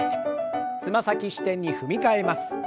つま先支点に踏み替えます。